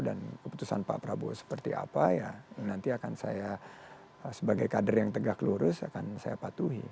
dan keputusan pak prabowo seperti apa ya nanti akan saya sebagai kader yang tegak lurus akan saya patuhi